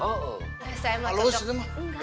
halus itu mah